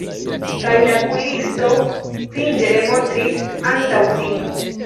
Kaj la kuiristo fingre montris antaŭ sin.